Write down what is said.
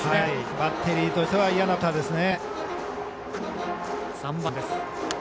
バッテリーとしては嫌なバッターですね。